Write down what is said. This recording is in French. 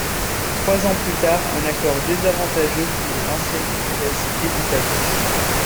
Trois ans plus tard, un accord désavantageux pour l'ancienne comtesse est établi.